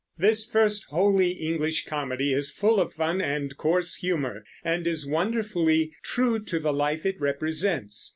This first wholly English comedy is full of fun and coarse humor, and is wonderfully true to the life it represents.